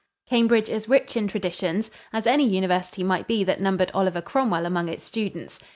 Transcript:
Cambridge is rich in traditions, as any university might be that numbered Oliver Cromwell among its students.